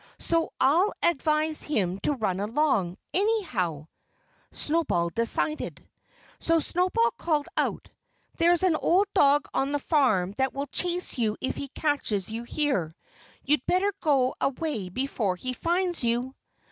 So I'll advise him to run along, anyhow," Snowball decided. So Snowball called out, "There's an old dog on this farm that will chase you if he catches you here. You'd better go away before he finds you."